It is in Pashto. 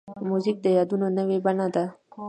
موزیک د یادونو نوې بڼه ده.